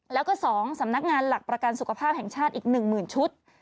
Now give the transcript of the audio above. แล้วก็๒สำนักงานหลักประกันสุขภาพแห่งชาติอีก๑๐๐๐ชุด